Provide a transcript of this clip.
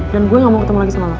dan gue gak mau ketemu lagi sama lo